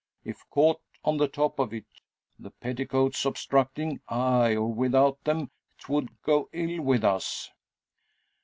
If caught on the top of it, the petticoats obstructing aye, or without them 'twould go ill with us."